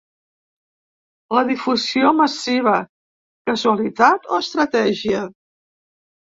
La difusió massiva: casualitat o estratègia?